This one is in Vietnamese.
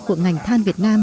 của ngành than việt nam